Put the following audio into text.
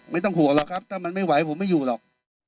ไม่ต้องห่วงหรอกครับถ้ามันไม่ไหวผมไม่อยู่หรอก